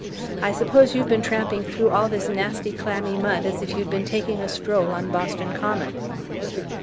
I suppose you've been tramping through all this nasty clammy mud as if you'd been taking a stroll on Boston Common."